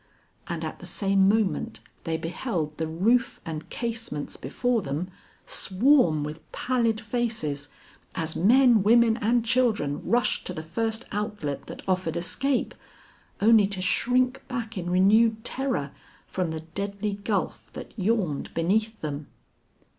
and at the same moment they beheld the roof and casements before them, swarm with pallid faces, as men, women and children rushed to the first outlet that offered escape, only to shrink back in renewed terror from the deadly gulf that yawned beneath them.